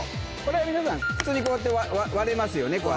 これ皆さん普通にこうやって割れますよね